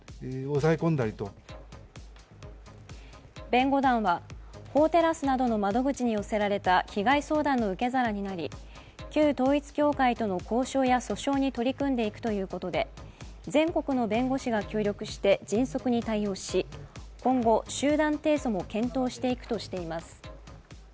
弁護団は法テラスなどの窓口に寄せられた被害相談の受け皿になり、旧統一教会との交渉や訴訟に取り組んでいくということで全国の弁護士が協力して迅速に対応し、今後、集団提訴も検討していくとしています。